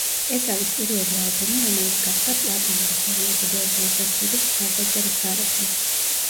ეს არის პირველი ალბომი, რომელიც გახდა პლატინური სერიოზული ორგანიზაციების მხარდაჭერის გარეშე.